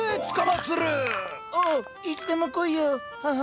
おおいつでも来いよハハ。